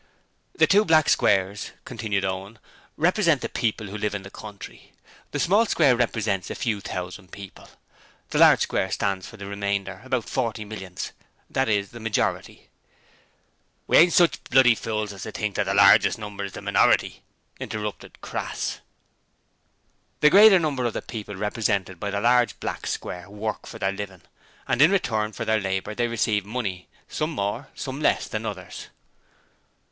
'The two black squares,' continued Owen, 'represent the people who live in the country. The small square represents a few thousand people. The large square stands for the remainder about forty millions that is, the majority.' 'We ain't sich bloody fools as to think that the largest number is the minority,' interrupted Crass. 'The greater number of the people represented by the large black square work for their living: and in return for their labour they receive money: some more, some less than others.'